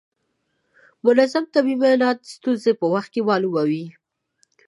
منظم طبي معاینات ستونزې په وخت کې معلوموي.